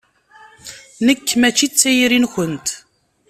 Nekk mačči d tayri-nkent.